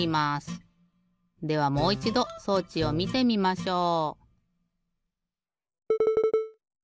ではもういちど装置をみてみましょう！